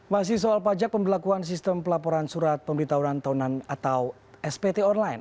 masih soal pajak pembelakuan sistem pelaporan surat pemberitahuan tahunan atau spt online